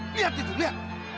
lihat itu lihat